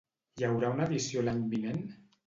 Hi haurà una edició l'any vinent?